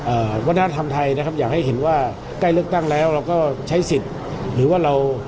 วัฒนธรรมไทยนะครับอยากให้เห็นว่าใกล้เลือกตั้งแล้วเราก็ใช้สิทธิ์หรือว่าเรา